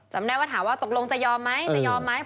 จำได้ว่าถามว่าตกลงจะยอมไหมจะยอมไหม